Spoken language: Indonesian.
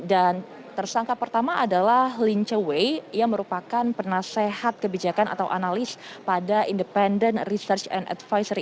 dan tersangka pertama adalah lin chewei yang merupakan penasehat kebijakan atau analis pada independent research and advisory